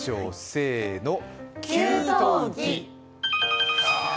せーの、給湯器。